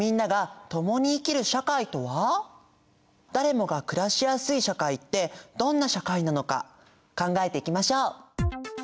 誰もが暮らしやすい社会ってどんな社会なのか考えていきましょう！